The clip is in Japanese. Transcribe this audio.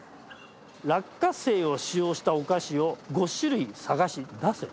「落花生を使用したお菓子を５種類探し出せ」。